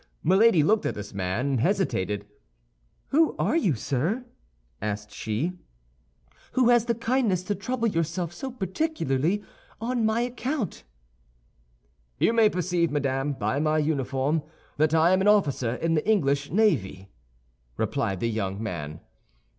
Milady looked at this man, and hesitated. "Who are you, sir," asked she, "who has the kindness to trouble yourself so particularly on my account?" "You may perceive, madame, by my uniform, that I am an officer in the English navy," replied the young man.